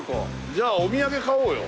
じゃあお土産買おうよ。